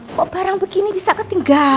kok barang begini bisa ketinggalan sih